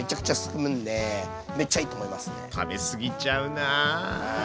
食べすぎちゃうなあ。